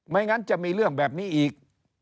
งั้นจะมีเรื่องแบบนี้อีก